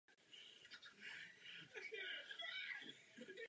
Projekt však nebyl parlamentem schválen.